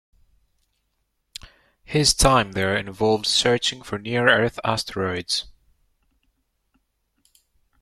His time there involved searching for Near Earth Asteroids.